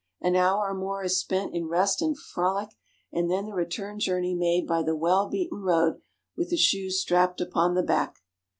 An hour or more is spent in rest and frolic, and then the return journey made by the well beaten road with the shoes strapped upon the back.